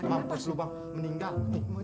mampus lu bang meninggal